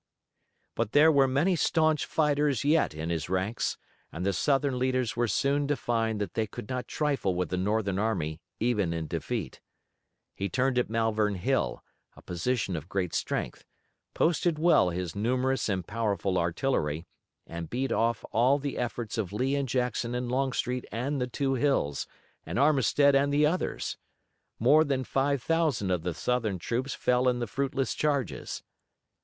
But there were many staunch fighters yet in his ranks, and the Southern leaders were soon to find that they could not trifle with the Northern army even in defeat. He turned at Malvern Hill, a position of great strength, posted well his numerous and powerful artillery, and beat off all the efforts of Lee and Jackson and Longstreet and the two Hills, and Armistead and the others. More than five thousand of the Southern troops fell in the fruitless charges.